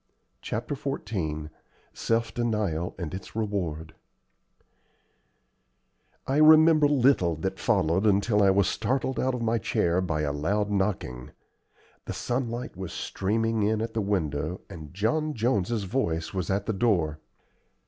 CHAPTER XIV SELF DENIAL AND ITS REWARD I remember little that followed until I was startled out of my chair by a loud knocking. The sunlight was streaming in at the window and John Jones's voice was at the door.